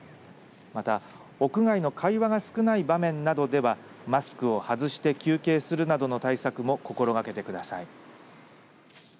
また屋外の会話が少ない場面などではマスクを外して休憩するなどの対策も心がけてください。